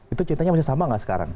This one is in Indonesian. itu cintanya bisa sama nggak sekarang